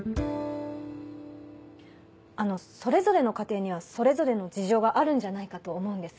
あのそれぞれの家庭にはそれぞれの事情があるんじゃないかと思うんです